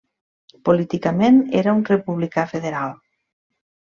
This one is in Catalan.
Políticament era un republicà federal.